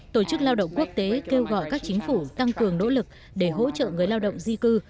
tổ chức lao động quốc tế kêu gọi các chính phủ tăng cường nỗ lực để hỗ trợ người lao động di cư